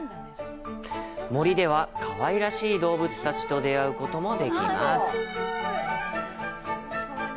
森では、かわいらしい動物たちと出会うこともできます。